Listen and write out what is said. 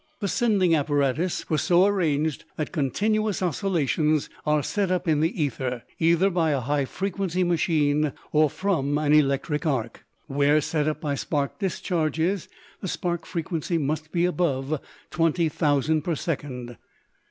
The sending apparatus was so arranged that continuous oscillations are set up in the ether, either by a high frequency machine or from an electric arc. Where set up by spark discharges the spark frequency must be above twenty thousand per second.